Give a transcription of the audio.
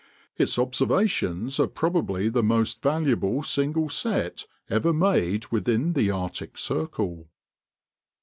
Its observations are probably the most valuable single set ever made within the Arctic circle."